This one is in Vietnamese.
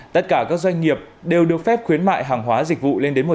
tất cả các doanh nghiệp đều được phép khuyến mại hàng hóa dịch vụ